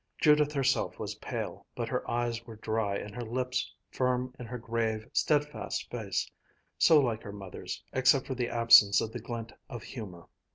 Judith herself was pale, but her eyes were dry and her lips firm in her grave, steadfast face, so like her mother's, except for the absence of the glint of humor.